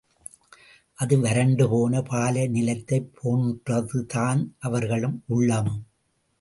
அந்த வரண்டுபோன பாலை நிலத்தைப் போன்றதுதான் அவர்கள் உள்ளமும்.